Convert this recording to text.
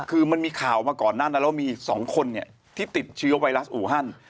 คือมันมีข่าวมาก่อนนั้นแล้วมีอีกสองคนที่ติดชีวิวไวรัสอูฮัน